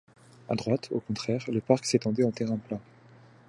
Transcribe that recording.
À droite, au contraire, le parc s’étendait en terrain plat.